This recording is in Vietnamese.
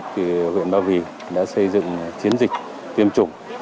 thì huyện ba vì đã xây dựng chiến dịch tiêm chủng